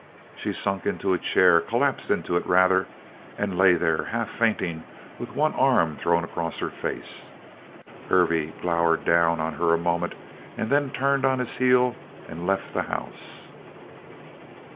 She had sunk into a chair collapsed into it, rather, and lay there half fainting with one arm thrown across her face. Hervey glowered down on her a moment and then turned on his heel and left the house.